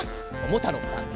ももたろうさん